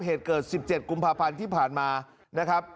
เหตุเกิด๑๗กุมภาพันธ์ที่ผ่านมานะครับ